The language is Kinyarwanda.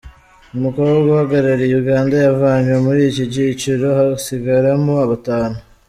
Umukobwa uhagarariye Uganda yavanywe muri iki cyiciro hasigaramo batanu.